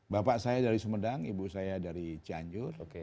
bapak saya dari sumedang ibu saya dari cianjur